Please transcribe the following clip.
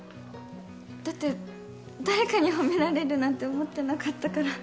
だって誰かに褒められるなんて思ってなかったから